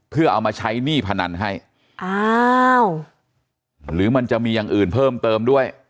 เพื่อเอามาใช้หนี้พนันให้อ้าวหรือมันจะมีอย่างอื่นเพิ่มเติมด้วย